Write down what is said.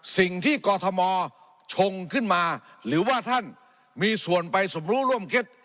กรทมชงขึ้นมาหรือว่าท่านมีส่วนไปสมรู้ร่วมเท็จ